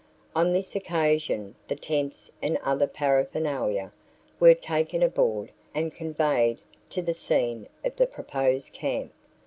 On this occasion the tents and other paraphernalia were taken aboard and conveyed to the scene of the proposed camp.